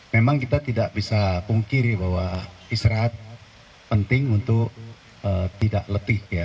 memang kita tidak bisa pungkiri bahwa istirahat penting untuk tidak letih ya